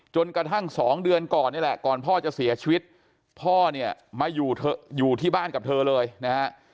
จนกระทั่ง๒เดือนก่อนนี่แหละก่อนพ่อจะเสียชีวิตพ่อเนี่ยมาอยู่ที่บ้านกับเธอเลยนะฮะ